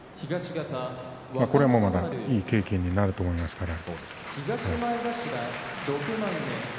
これもまたいい経験になると思いますから。